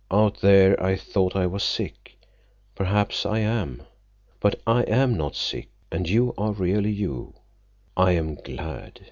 Out there I thought I was sick. Perhaps I am. But if I am not sick, and you are really you, I am glad.